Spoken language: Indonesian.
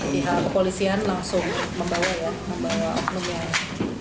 pihak kepolisian langsung membawa ya membawa oknumnya